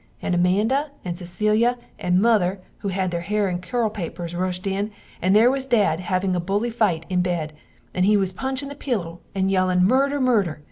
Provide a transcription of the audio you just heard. and Amanda and Cecilia and Mother who had her hare in curl papers rushd in, and there was dad having a buly fite in bed, and he was punchin the pilo, and yellin Murder! Murder!